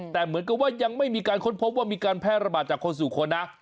แต่เหมือนกับว่ายังไม่มีการค้นพบว่ามีการแพร่ระบาดจากคนสู่คนนะ